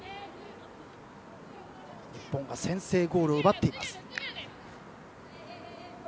日本、先制ゴールを奪っています。